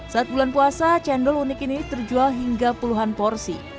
saat bulan puasa cendol unik ini terjual hingga puluhan porsi